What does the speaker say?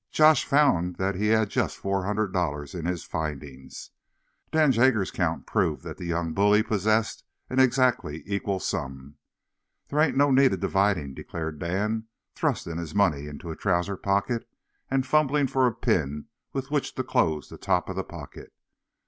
Josh found that he had just four hundred dollars in his "findings." Dan Jaggers's count proved that that young bully possessed an exactly equal sum. "Then there ain't no need o' dividing," declared Dan, thrusting his money into a trousers pocket and fumbling for a pin with which to close the top of the pocket.